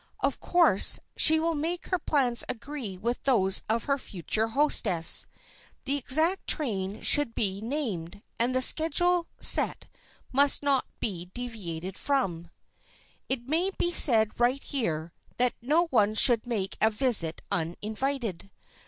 Of course she will make her plans agree with those of her future hostess. The exact train should be named, and the schedule set must not be deviated from. It may be said right here that no one should make a visit uninvited.